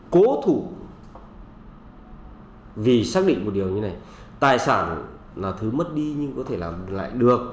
cố thủ vì xác định một điều như này tài sản là thứ mất đi nhưng có thể làm lại được